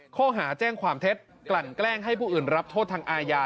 ข้อหาแจ้งความเท็จกลั่นแกล้งให้ผู้อื่นรับโทษทางอาญา